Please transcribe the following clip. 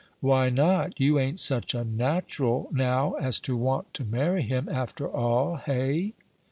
"Why not? You ain't such a natural, now, as to want to marry him, after all, hey?"